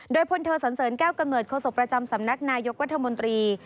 โดยพลเทอร์สรรเสริญแก้วกเมิดโฆษกประจำสำนักนายกวัฒนมนตรี